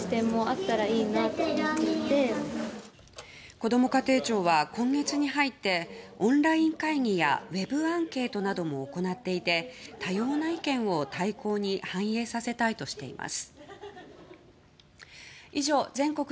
こども家庭庁は今月に入ってオンライン会議やウェブアンケートなども行っていて多様な意見を大綱に反映させたいとしています。